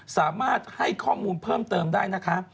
สามารถให้ข้อมูลเพิ่มเติมได้นะคะ